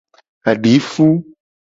Adifu.